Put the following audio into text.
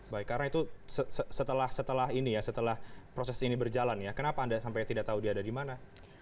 baik karena itu setelah proses ini berjalan kenapa anda sampai tidak tahu dia ada di mana